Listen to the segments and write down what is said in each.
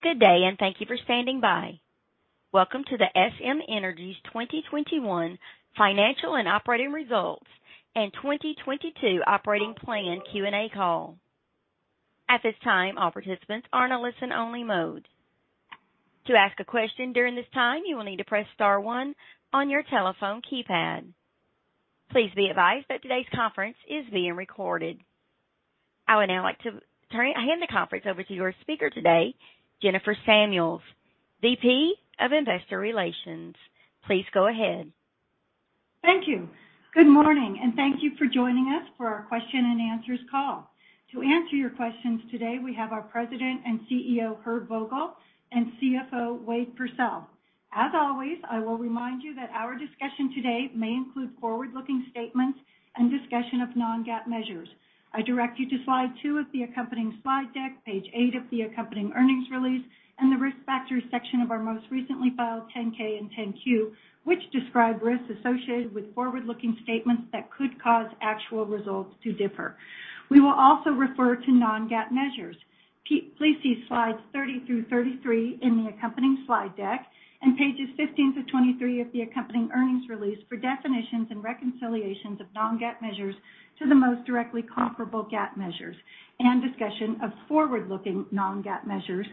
Good day, and thank you for standing by. Welcome to SM Energy's 2021 financial and operating results and 2022 operating plan Q&A call. At this time, all participants are in a listen-only mode. To ask a question during this time, you will need to press star one on your telephone keypad. Please be advised that today's conference is being recorded. I would now like to hand the conference over to your speaker today, Jennifer Samuels, VP of Investor Relations. Please go ahead. Thank you. Good morning, and thank you for joining us for our question and answers call. To answer your questions today, we have our President and CEO, Herb Vogel, and CFO, Wade Pursell. As always, I will remind you that our discussion today may include forward-looking statements and discussion of non-GAAP measures. I direct you to slide 2 of the accompanying slide deck, page 8 of the accompanying earnings release, and the Risk Factors section of our most recently filed 10-K and 10-Q, which describe risks associated with forward-looking statements that could cause actual results to differ. We will also refer to non-GAAP measures. Please see slides 30-33 in the accompanying slide deck and pages 15-23 of the accompanying earnings release for definitions and reconciliations of non-GAAP measures to the most directly comparable GAAP measures and discussion of forward-looking non-GAAP measures.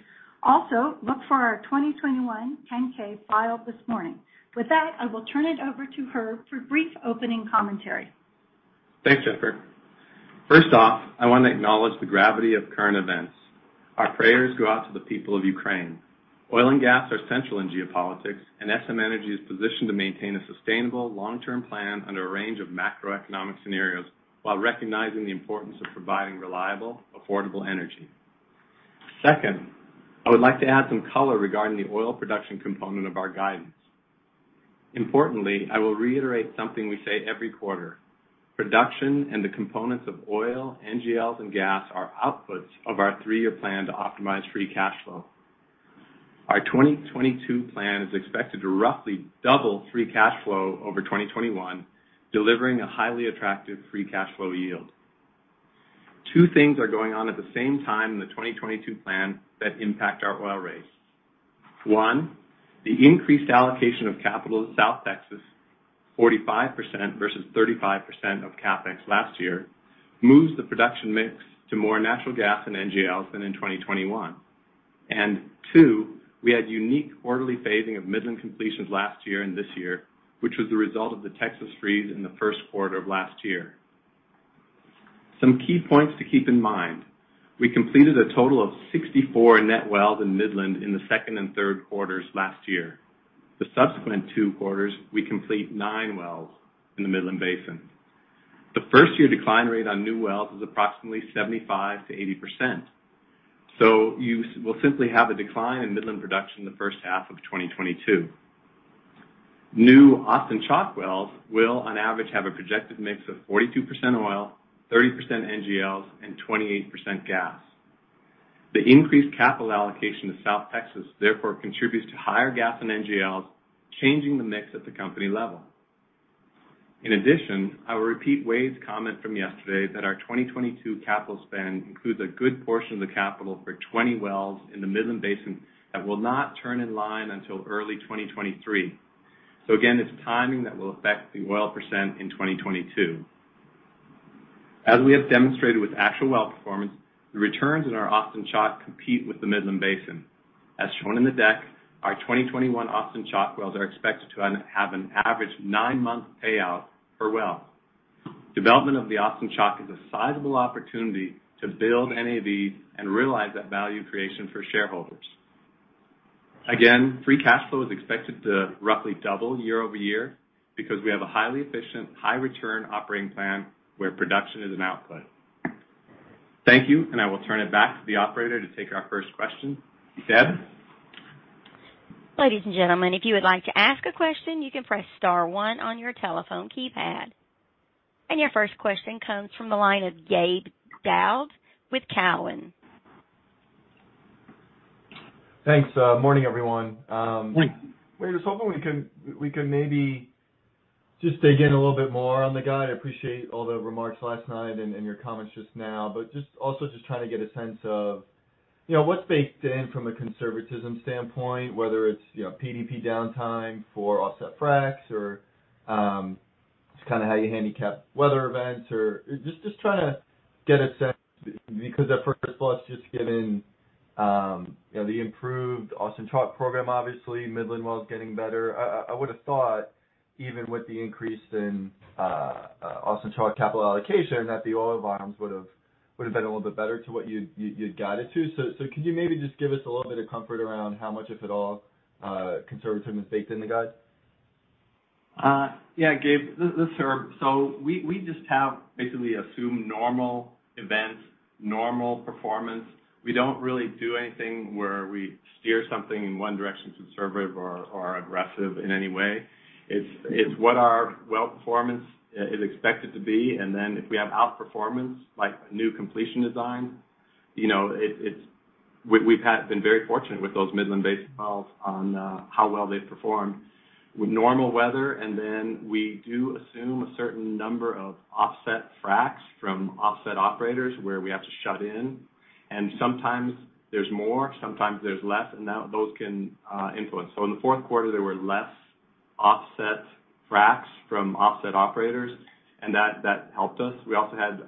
Also, look for our 2021 10-K filed this morning. With that, I will turn it over to Herb for brief opening commentary. Thanks, Jennifer. First off, I want to acknowledge the gravity of current events. Our prayers go out to the people of Ukraine. Oil and gas are central in geopolitics, and SM Energy is positioned to maintain a sustainable long-term plan under a range of macroeconomic scenarios while recognizing the importance of providing reliable, affordable energy. Second, I would like to add some color regarding the oil production component of our guidance. Importantly, I will reiterate something we say every quarter. Production and the components of oil, NGLs and gas are outputs of our three-year plan to optimize free cash flow. Our 2022 plan is expected to roughly double free cash flow over 2021, delivering a highly attractive free cash flow yield. Two things are going on at the same time in the 2022 plan that impact our oil rates. One, the increased allocation of capital in South Texas, 45% versus 35% of CapEx last year, moves the production mix to more natural gas and NGLs than in 2021. Two, we had unique quarterly phasing of Midland completions last year and this year, which was the result of the Texas freeze in the first quarter of last year. Some key points to keep in mind. We completed a total of 64 net wells in Midland in the second and third quarters last year. The subsequent two quarters, we complete nine wells in the Midland Basin. The first-year decline rate on new wells is approximately 75%-80%. You will simply have a decline in Midland production in the first half of 2022. New Austin Chalk wells will, on average, have a projected mix of 42% oil, 30% NGLs, and 28% gas. The increased capital allocation to South Texas therefore contributes to higher gas and NGLs, changing the mix at the company level. In addition, I will repeat Wade's comment from yesterday that our 2022 capital spend includes a good portion of the capital for 20 wells in the Midland Basin that will not turn in line until early 2023. Again, it's timing that will affect the oil percent in 2022. As we have demonstrated with actual well performance, the returns in our Austin Chalk compete with the Midland Basin. As shown in the deck, our 2021 Austin Chalk wells are expected to have an average nine-month payout per well. Development of the Austin Chalk is a sizable opportunity to build NAV and realize that value creation for shareholders. Again, free cash flow is expected to roughly double year-over-year because we have a highly efficient, high-return operating plan where production is an output. Thank you, and I will turn it back to the operator to take our first question. Deb? Ladies and gentlemen, if you would like to ask a question, you can press star one on your telephone keypad. Your first question comes from the line of Gabe Daoud with Cowen. Thanks. Morning, everyone. I was hoping we can maybe just dig in a little bit more on the guide. I appreciate all the remarks last night and your comments just now, but just trying to get a sense of, you know, what's baked in from a conservatism standpoint, whether it's, you know, PDP downtime for offset fracs or just kinda how you handicap weather events or just trying to get a sense because at first blush, just given, you know, the improved Austin Chalk program, obviously, Midland wells getting better, I would have thought even with the increase in Austin Chalk capital allocation, that the oil volumes would have been a little bit better to what you'd guided to. Could you maybe just give us a little bit of comfort around how much, if at all, conservatism is baked in the guide? Yeah, Gabe. This is Herb. We just have basically assumed normal events, normal performance. We don't really do anything where we steer something in one direction conservative or aggressive in any way. It's what our well performance is expected to be, and then if we have outperformance, like new completion designs, you know, it's we've been very fortunate with those Midland Basin wells on how well they've performed with normal weather. We do assume a certain number of offset fracs from offset operators, where we have to shut in. And sometimes there's more, sometimes there's less, and those can influence. In the fourth quarter, there were less offset fracs from offset operators, and that helped us. We also had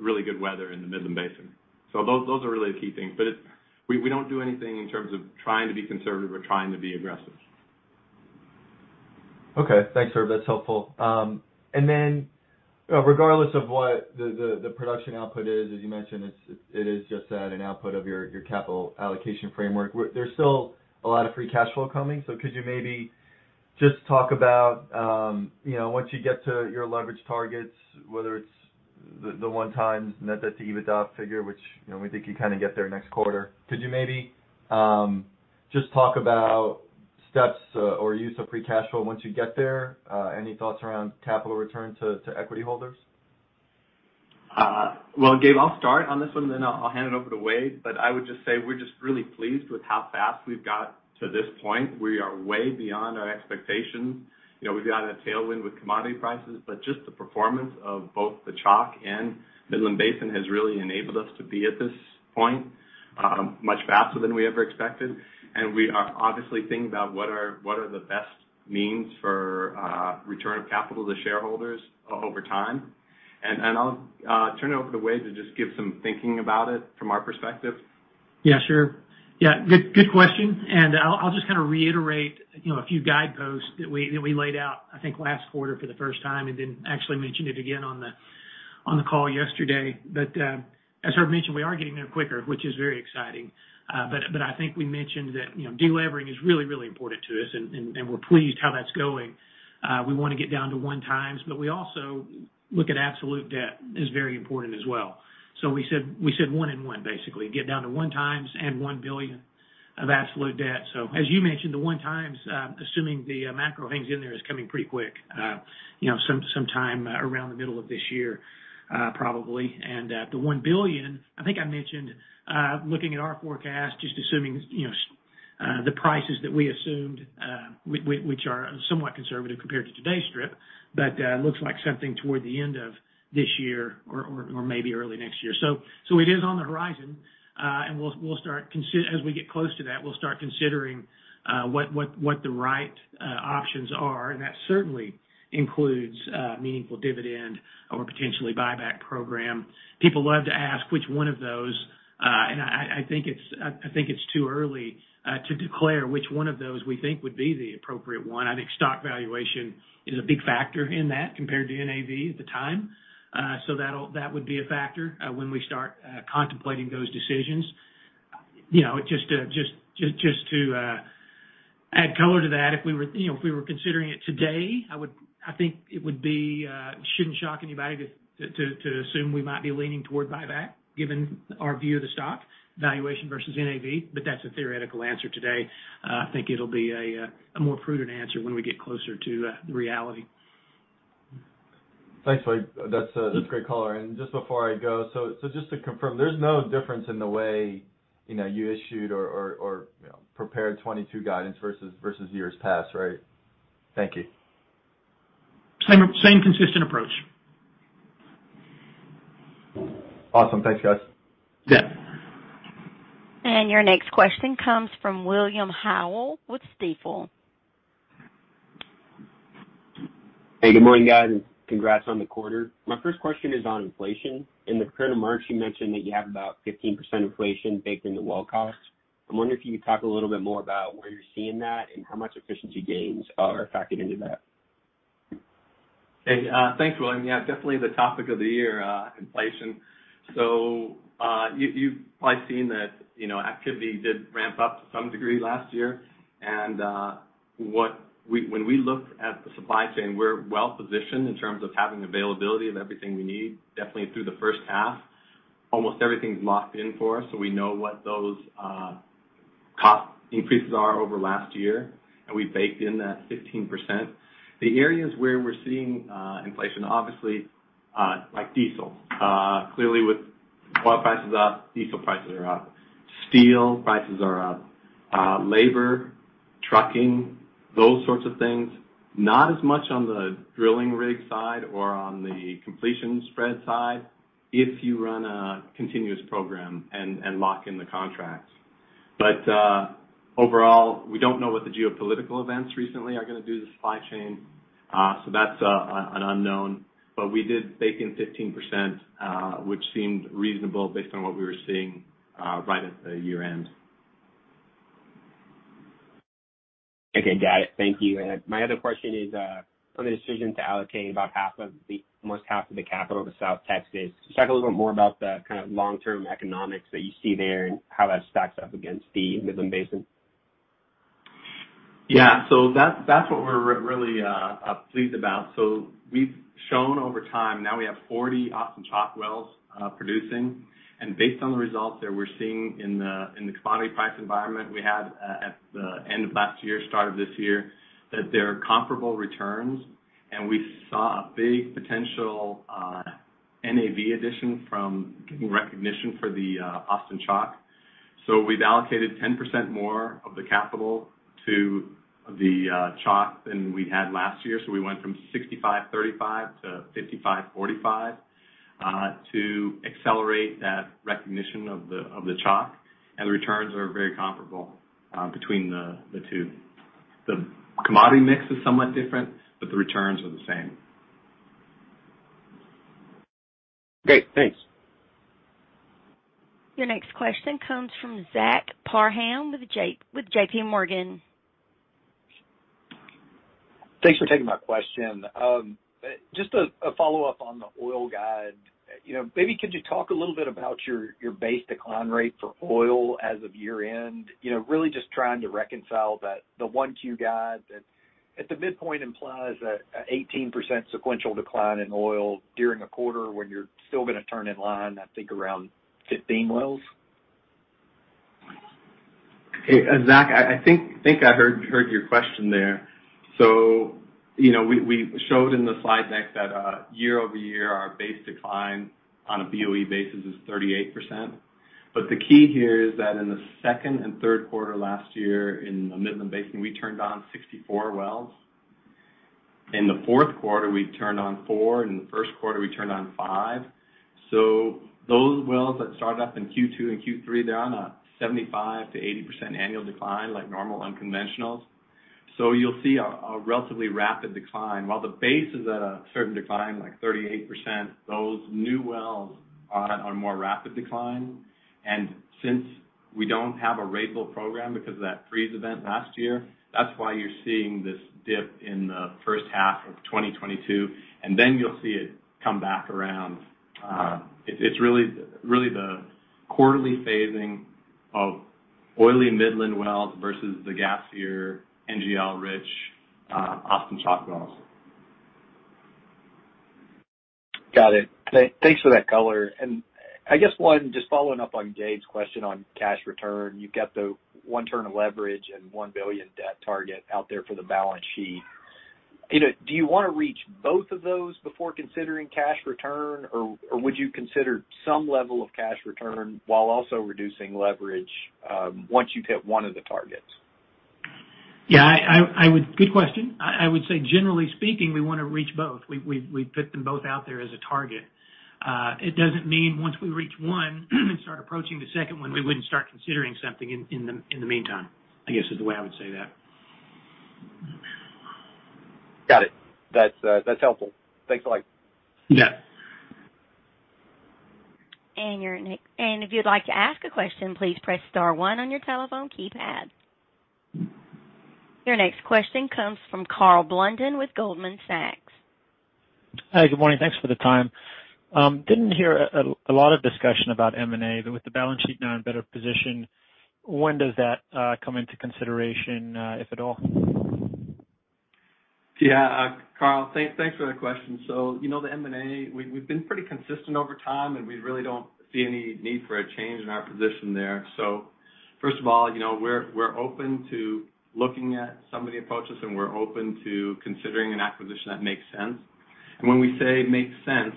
really good weather in the Midland Basin. Those are really the key things. We don't do anything in terms of trying to be conservative or trying to be aggressive. Okay. Thanks, Herb. That's helpful. Then, regardless of what the production output is, as you mentioned, it is just at an output of your capital allocation framework. There's still a lot of free cash flow coming. Could you maybe just talk about, you know, once you get to your leverage targets, whether it's the 1x net debt to EBITDA figure, which, you know, we think you kinda get there next quarter, could you maybe just talk about steps or use of free cash flow once you get there? Any thoughts around capital return to equity holders? Well, Gabe, I'll start on this one, then I'll hand it over to Wade. I would just say we're just really pleased with how fast we've got to this point. We are way beyond our expectations. We've gotten a tailwind with commodity prices, but just the performance of both the chalk and Midland Basin has really enabled us to be at this point much faster than we ever expected. We are obviously thinking about what are the best means for return of capital to shareholders over time. I'll turn it over to Wade to just give some thinking about it from our perspective. Yeah, sure. Yeah, good question. I'll just kinda reiterate, you know, a few guideposts that we laid out, I think, last quarter for the first time, and then actually mentioned it again on the call yesterday. As Herb mentioned, we are getting there quicker, which is very exciting. I think we mentioned that, you know, de-levering is really important to us, and we're pleased how that's going. We wanna get down to 1x, but we also look at absolute debt is very important as well. We said one in one, basically. Get down to 1x and $1 billion of absolute debt. As you mentioned, the 1x, assuming the macro hangs in there, is coming pretty quick. You know, sometime around the middle of this year, probably. The $1 billion, I think I mentioned, looking at our forecast, just assuming, you know, the prices that we assumed, which are somewhat conservative compared to today's strip, but looks like something toward the end of this year or maybe early next year. So it is on the horizon. We'll start considering, as we get close to that, what the right options are, and that certainly includes meaningful dividend or potentially buyback program. People love to ask which one of those, and I think it's too early to declare which one of those we think would be the appropriate one. I think stock valuation is a big factor in that compared to NAV at the time. That would be a factor when we start contemplating those decisions. You know, just to add color to that, if we were considering it today, I think it shouldn't shock anybody to assume we might be leaning toward buyback given our view of the stock valuation versus NAV, but that's a theoretical answer today. I think it'll be a more prudent answer when we get closer to the reality. Thanks, Wade. That's a great color. Just before I go, so just to confirm, there's no difference in the way, you know, you issued or, you know, prepared 2022 guidance versus years past, right? Thank you. Same consistent approach. Awesome. Thanks, guys. Your next question comes from William Howell with Stifel. Hey, good morning, guys, and congrats on the quarter. My first question is on inflation. In the prepared remarks, you mentioned that you have about 15% inflation baked into well costs. I'm wondering if you could talk a little bit more about where you're seeing that and how much efficiency gains are factored into that. Hey, thanks, William. Yeah, definitely the topic of the year, inflation. You've probably seen that, you know, activity did ramp up to some degree last year. When we look at the supply chain, we're well-positioned in terms of having availability of everything we need, definitely through the first half. Almost everything's locked in for us, so we know what those cost increases are over last year, and we baked in that 15%. The areas where we're seeing inflation, obviously, like diesel. Clearly with oil prices up, diesel prices are up. Steel prices are up. Labor, trucking, those sorts of things. Not as much on the drilling rig side or on the completion spread side if you run a continuous program and lock in the contracts. Overall, we don't know what the geopolitical events recently are gonna do to the supply chain. That's an unknown. We did bake in 15%, which seemed reasonable based on what we were seeing right at the year-end. Okay, got it. Thank you. My other question is on the decision to allocate almost half of the capital to South Texas. Can you talk a little bit more about the kinda long-term economics that you see there and how that stacks up against the Midland Basin? Yeah. That's what we're really pleased about. We've shown over time now we have 40 Austin Chalk wells producing. Based on the results that we're seeing in the commodity price environment we had at the end of last year, start of this year, that there are comparable returns. We saw a big potential NAV addition from getting recognition for the Austin Chalk. We've allocated 10% more of the capital to the chalk than we had last year. We went from 65%-35% to 55%-45% to accelerate that recognition of the chalk. The returns are very comparable between the two. The commodity mix is somewhat different, but the returns are the same. Great. Thanks. Your next question comes from Zach Parham with JPMorgan. Thanks for taking my question. Just a follow-up on the oil guide. You know, maybe could you talk a little bit about your base decline rate for oil as of year-end? You know, really just trying to reconcile that, the 1Q guide that at the midpoint implies an 18% sequential decline in oil during a quarter when you're still gonna turn in line, I think around 15 wells. Hey, Zach, I think I heard your question there. You know, we showed in the slide deck that year-over-year, our base decline on a BOE basis is 38%. The key here is that in the second and third quarter last year in the Midland Basin, we turned on 64 wells. In the fourth quarter, we turned on four, and in the first quarter, we turned on five. Those wells that started up in Q2 and Q3, they're on a 75%-80% annual decline like normal unconventionals. You'll see a relatively rapid decline. While the base is at a certain decline, like 38%, those new wells are on more rapid decline. Since we don't have a ratable program because of that freeze event last year, that's why you're seeing this dip in the first half of 2022, and then you'll see it come back around. It's really the quarterly phasing of oily Midland wells versus the gasier NGL rich Austin Chalk wells. Got it. Thanks for that color. I guess one, just following up on Gabe Daoud's question on cash return, you've got the one turn of leverage and $1 billion debt target out there for the balance sheet. You know, do you wanna reach both of those before considering cash return, or would you consider some level of cash return while also reducing leverage, once you've hit one of the targets? Yeah, I would. Good question. I would say, generally speaking, we wanna reach both. We put them both out there as a target. It doesn't mean once we reach one and start approaching the second one, we wouldn't start considering something in the meantime, I guess, is the way I would say that. Got it. That's helpful. Thanks a lot. If you'd like to ask a question, please press star one on your telephone keypad. Your next question comes from Karl Blunden with Goldman Sachs. Hi, good morning. Thanks for the time. Didn't hear a lot of discussion about M&A. With the balance sheet now in better position, when does that come into consideration, if at all? Yeah. Karl, thanks for that question. You know, the M&A, we've been pretty consistent over time, and we really don't see any need for a change in our position there. First of all, you know, we're open to looking at somebody approaches, and we're open to considering an acquisition that makes sense. When we say makes sense,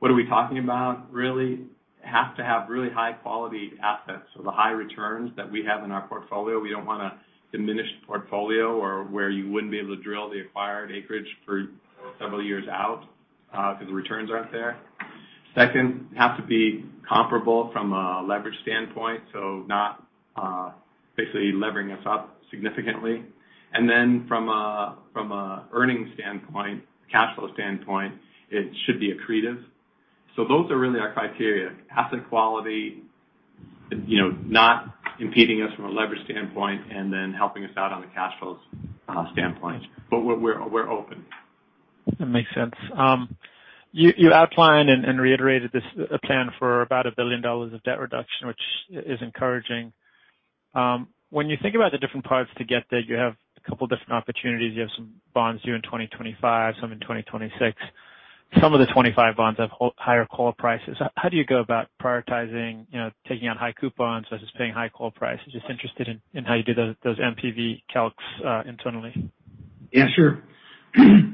what are we talking about, really? It has to have really high-quality assets. The high returns that we have in our portfolio, we don't wanna diminish the portfolio or where you wouldn't be able to drill the acquired acreage for several years out, 'cause the returns aren't there. Second, have to be comparable from a leverage standpoint, so not basically levering us up significantly. Then from a earnings standpoint, cash flow standpoint, it should be accretive. Those are really our criteria, asset quality, you know, not impeding us from a leverage standpoint, and then helping us out on the cash flows standpoint. We're open. That makes sense. You outlined and reiterated this plan for about $1 billion of debt reduction, which is encouraging. When you think about the different parts to get there, you have a couple different opportunities. You have some bonds due in 2025, some in 2026. Some of the 2025 bonds have higher call prices. How do you go about prioritizing, you know, taking on high coupons versus paying high call prices? Just interested in how you do those NPV calcs internally. Yeah, sure.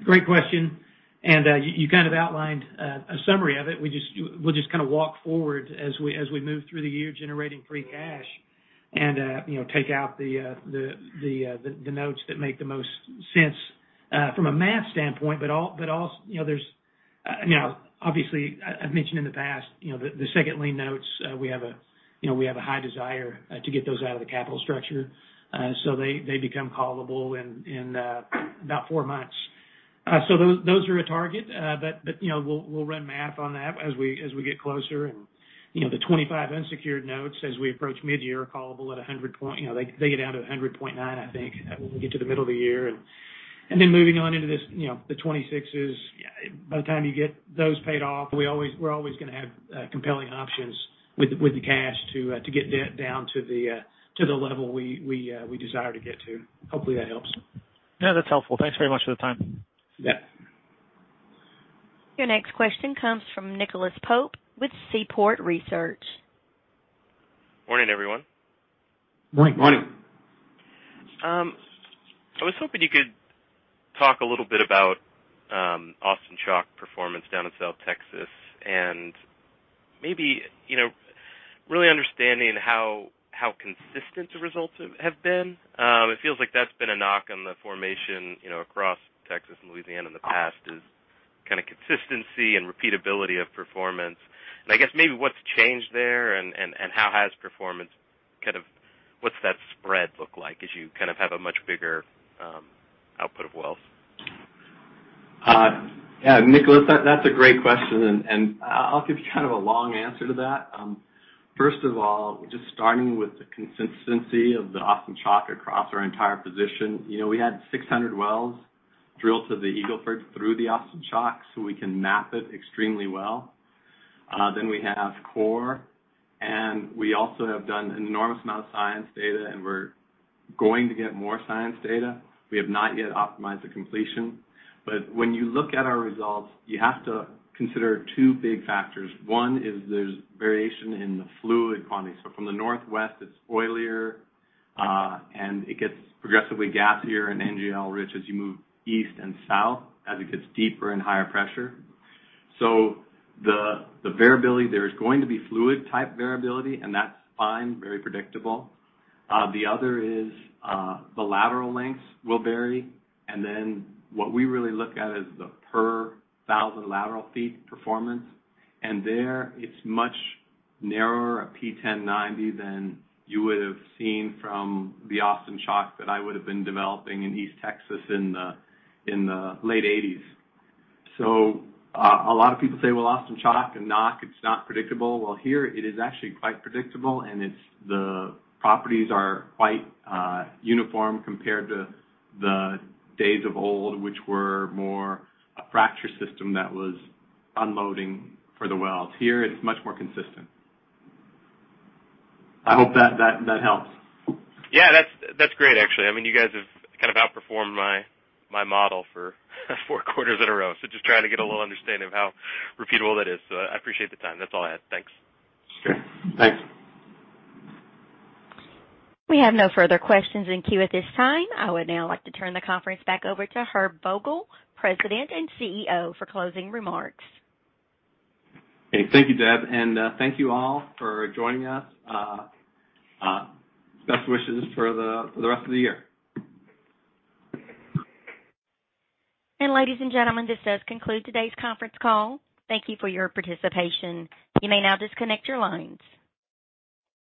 Great question, and you kind of outlined a summary of it. We'll just kind of walk forward as we move through the year generating free cash and, you know, take out the notes that make the most sense from a math standpoint. Also, you know, now, obviously, I've mentioned in the past, you know, the second lien notes, you know, we have a high desire to get those out of the capital structure. They become callable in about four months. Those are a target. You know, we'll run math on that as we get closer. You know, the 2025 unsecured notes, as we approach mid-year, callable at 100, you know, they get down to 100.9, I think, when we get to the middle of the year. Then moving on into this, you know, the 2026 notes, by the time you get those paid off, we're always gonna have compelling options with the cash to get debt down to the level we desire to get to. Hopefully, that helps. Yeah, that's helpful. Thanks very much for the time. Your next question comes from Nicholas Pope with Seaport Research. Morning, everyone. Morning. I was hoping you could talk a little bit about Austin Chalk performance down in South Texas, and maybe, you know, really understanding how consistent the results have been. It feels like that's been a knock on the formation, you know, across Texas and Louisiana in the past, is kinda consistency and repeatability of performance. I guess maybe what's changed there and how has performance kind of. What's that spread look like as you kind of have a much bigger output of wells? Yeah, Nicholas, that's a great question, and I'll give you kind of a long answer to that. First of all, just starting with the consistency of the Austin Chalk across our entire position. You know, we had 600 wells drilled to the Eagle Ford through the Austin Chalk, so we can map it extremely well. Then we have core, and we also have done an enormous amount of seismic data, and we're going to get more seismic data. We have not yet optimized the completion. But when you look at our results, you have to consider two big factors. One is there's variation in the fluid quality, so from the northwest, it's oilier, and it gets progressively gassier and NGL rich as you move east and south, as it gets deeper and higher pressure. The variability there is going to be fluid type variability, and that's fine, very predictable. The other is the lateral lengths will vary. What we really look at is the per 1,000 lateral feet performance. There it's much narrower, a P10/P90, than you would have seen from the Austin Chalk that I would have been developing in East Texas in the late 1980s. A lot of people say, "Well, Austin Chalk, you know, it's not predictable." Here it is actually quite predictable and it's the properties are quite uniform compared to the days of old, which were more a fracture system that was unloading for the wells. Here, it's much more consistent. I hope that helps. Yeah, that's great, actually. I mean, you guys have kind of outperformed my model for four quarters in a row. Just trying to get a little understanding of how repeatable that is. I appreciate the time. That's all I had. Thanks. Sure. Thanks. We have no further questions in queue at this time. I would now like to turn the conference back over to Herb Vogel, President and CEO, for closing remarks. Okay. Thank you, Deb, and thank you all for joining us. Best wishes for the rest of the year. Ladies and gentlemen, this does conclude today's conference call. Thank you for your participation. You may now disconnect your lines.